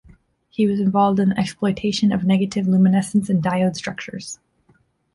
He was involved in the exploitation of negative luminescence in diode structures.